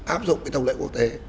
áp dụng cái thông lệ quốc tế